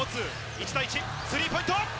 １対１、スリーポイント。